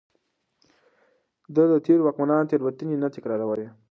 ده د تېرو واکمنانو تېروتنې نه تکرارولې.